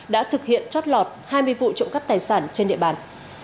đã thực hiện chót lọt hai mươi vụ trộm cắp tài sản trên địa bàn